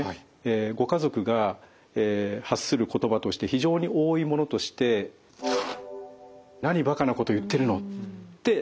ご家族が発する言葉として非常に多いものとして「何ばかなこと言ってるの！」ってつい言ってしまうわけですね。